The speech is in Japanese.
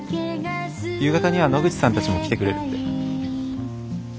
夕方には野口さんたちも来てくれるって。